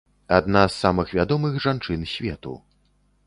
Адна з самых вядомых жанчын свету.